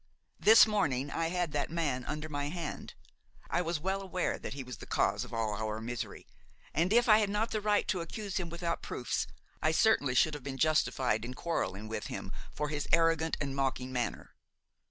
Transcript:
This morning I had that man under my hand; I was well aware that he was the cause of all our misery, and, if I had not the right to accuse him without proofs, I certainly should have been justified in quarreling with him for his arrogant and mocking manner.